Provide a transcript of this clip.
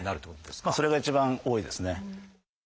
それが一番多いですね。